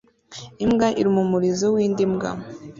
Imbwa iruma umurizo w'indi mbwa